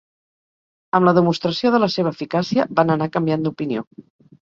Amb la demostració de la seva eficàcia van anar canviant d'opinió.